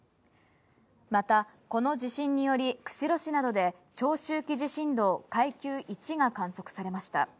また、この地震により、釧路市などで長周期地震動・階級１が観測されました。